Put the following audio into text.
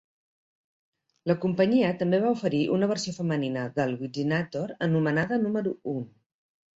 La companyia també va oferir una versió femenina del "Whizzinator", anomenada "Número un".